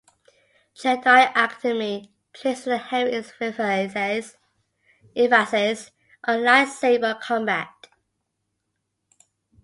"Jedi Academy" places a heavy emphasis on lightsaber combat.